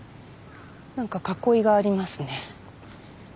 何か囲いがありますね。